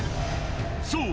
そう